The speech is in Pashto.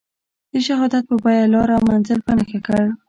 د شهادت په بیه لار او منزل په نښه کړ.